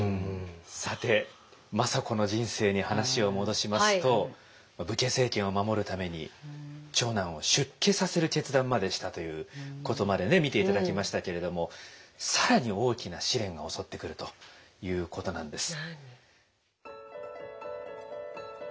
さて政子の人生に話を戻しますと武家政権を守るために長男を出家させる決断までしたということまでね見て頂きましたけれども更に大きな試練が襲ってくるということなんです。